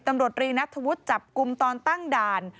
ตำรวจรีนัทธวุฒิจับกลุ่มตอนตั้งด่าน